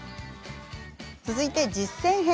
続いて実践編。